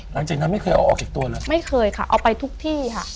หลังจากนั้นไม่เคยเอาออกจากตัวเลยไม่เคยค่ะเอาไปทุกที่ค่ะ